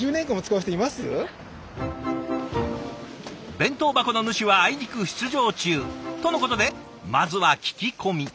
弁当箱の主はあいにく出場中とのことでまずは聞き込み。